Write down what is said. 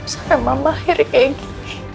saya mau mahir kayak gini